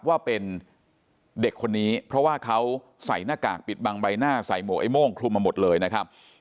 ว่าเป็นเด็กคนนี้เพราะว่าเขาใส่หน้ากากปิดบังใบหน้าใส่หมวกไอ้โม่งคลุมมาหมดเลยนะครับ